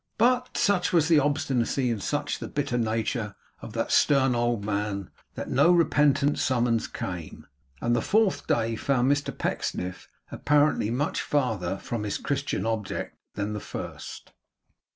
But such was the obstinacy and such the bitter nature of that stern old man, that no repentant summons came; and the fourth day found Mr Pecksniff apparently much farther from his Christian object than the first.